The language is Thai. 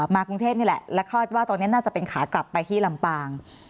กรุงเทพนี่แหละและคาดว่าตอนนี้น่าจะเป็นขากลับไปที่ลำปาง